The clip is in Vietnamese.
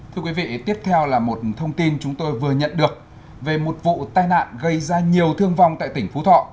thưa quý vị tiếp theo là một thông tin chúng tôi vừa nhận được về một vụ tai nạn gây ra nhiều thương vong tại tỉnh phú thọ